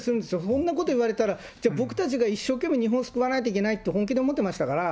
そんなこと言われたら、じゃあ僕たちが一生懸命、日本救わないといけないって、本気で思ってましたから。